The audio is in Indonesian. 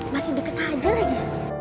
masih deket aja lagi